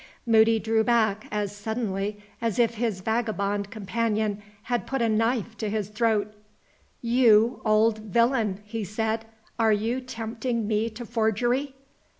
Moody drew back, as suddenly as if his vagabond companion had put a knife to his throat. "You old villain!" he said. "Are you tempting me to forgery?"